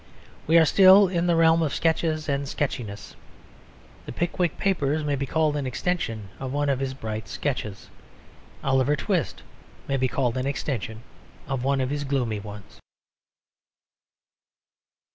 We are still in the realm of sketches and sketchiness. The Pickwick Papers may be called an extension of one of his bright sketches. Oliver Twist may be called an extension of one of his gloomy ones.